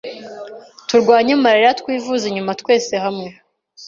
Turwanye malaria twivuye inyuma twese hamwe